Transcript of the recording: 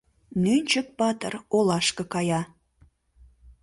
Нӧнчык-патыр олашке кая.